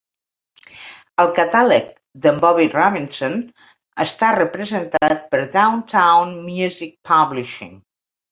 El catàleg de"n Bobby Robinson està representat per Downtown Music Publishing.